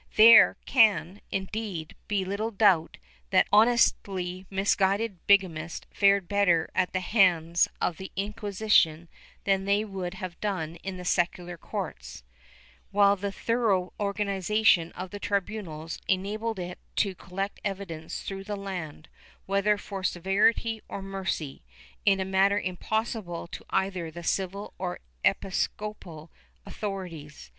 ^ There can, indeed, be little doubt that honestly misguided bigamists fared better at the hands of the Inquisition than they would have done in the secular courts, while the thorough organization of the tribunals enabled it to collect evidence throughout the land, whether for severity or mercy, in a manner impossible to either the civil or episcopal authorities.